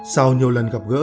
sau nhiều lần gặp gỡ